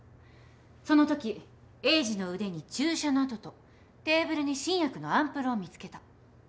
そのとき栄治の腕に注射の痕とテーブルに新薬のアンプルを見つけた。